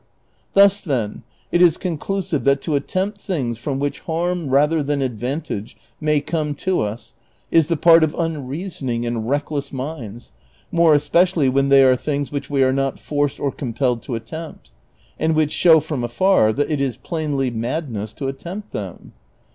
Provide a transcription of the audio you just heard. Thus, then, it is conclusive tliat to attempt things from which harm rather than advantage may come to us is the part of unreasoning and recisless minds, more especially when they are things which we ai'e not forced or compelled to attempt, and Avhich show from afar that it is plainly madness to attempt them.